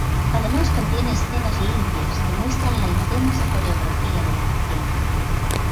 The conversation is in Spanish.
Además contiene escenas limpias que muestran la intensa coreografía de la canción.